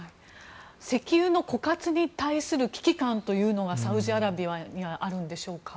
石油の枯渇に対する危機感というのがサウジアラビアにはあるんでしょうか。